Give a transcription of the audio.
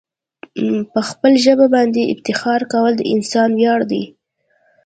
په خپل ژبه باندي افتخار کول د انسان ویاړ دی.